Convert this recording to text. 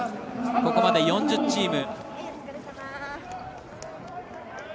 ここまで４０チーム。